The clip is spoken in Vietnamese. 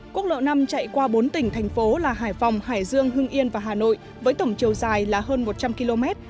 quốc lộ năm chạy qua bốn tỉnh thành phố là hải phòng hải dương hưng yên và hà nội với tổng chiều dài là hơn một trăm linh km